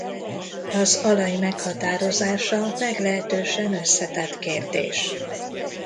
Az alany meghatározása meglehetősen összetett kérdés.